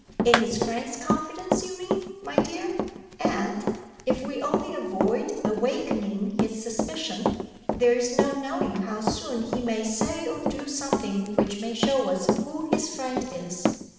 "In his friend's confidence, you mean, my dear; and (if we only avoid awakening his suspicion) there is no knowing how soon he may say or do something which may show us who his friend is."